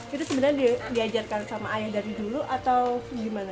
itu sebenarnya diajarkan sama ayah dari dulu atau gimana